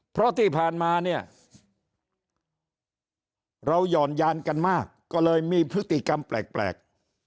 เพราะที่ผ่านมาเนี่ยเราหย่อนยานกันมากก็เลยมีพฤติกรรมแปลก